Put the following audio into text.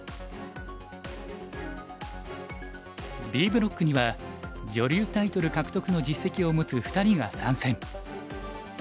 Ｂブロックには女流タイトル獲得の実績を持つ２人が参戦。